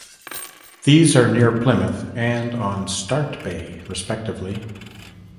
These are near Plymouth and on Start Bay respectively.